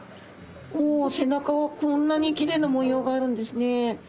お背中はこんなにきれいな模様があるんですね。